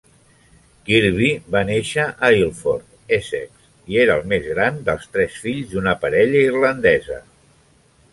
Kirby va néixer a Ilford, Essex, i era el més gran dels tres fills d'una parella irlandesa.